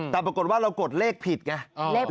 แต่ปรากฏว่าเรากดเลขผิดไง